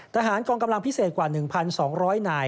ทหารกองกำลังพิเศษกว่า๑๒๐๐นาย